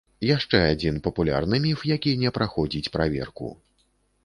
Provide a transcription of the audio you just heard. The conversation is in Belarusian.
Яшчэ адзін папулярны міф, які не праходзіць праверку.